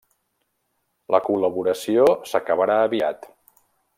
La col·laboració s'acabarà aviat.